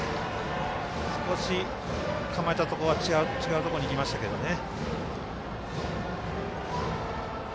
少し構えたところとは違うところにいきましたけどね。